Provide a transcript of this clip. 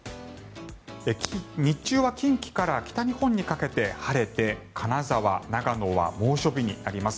日中は近畿から北日本にかけて晴れて金沢、長野は猛暑日になります。